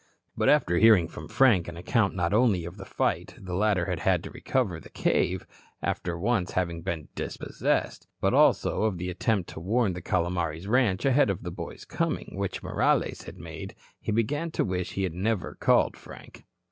But after hearing from Frank an account not only of the fight the latter had had to recover the cave, after once having been dispossessed, but also of the attempt to warn the Calomares ranch ahead of the boys' coming which Morales had made, he began to wish he never had called Frank.